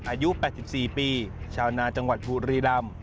อายุ๘๔ปีชาวนาจังหวัดบุรีรำ